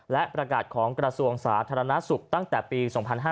และประกาศของกระทรวงสาธารณสุขตั้งแต่ปี๒๕๕๙